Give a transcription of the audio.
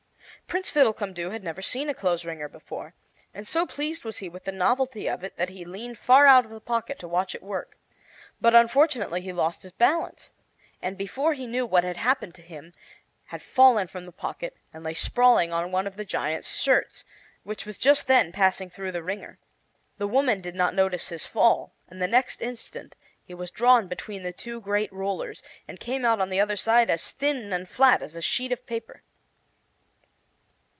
Prince Fiddlecumdoo had never seen a clothes wringer before, and so pleased was he with the novelty of it that he leaned far out of the pocket to watch it work. But, unfortunately, he lost his balance, and before he knew what had happened to him had fallen from the pocket and lay sprawling on one of the giant's shirts, which was just then passing through the wringer. The woman did not notice his fall, and the next instant he was drawn between the two great rollers, and came out on the other side as thin and flat as a sheet of paper.